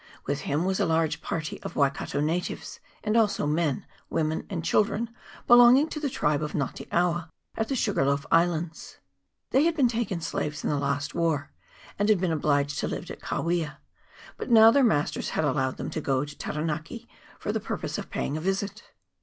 With him was a large party of Waikato natives, and also men, women, and children belonging to the tribe of the Nga te awa at the Sugarloaf Islands. They had been taken slaves in the last war, and had been obliged to live at Kawia ; but now their masters had allowed them to go to Taranaki, for the pur pose of paying a visit.